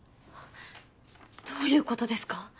どういうことですか！？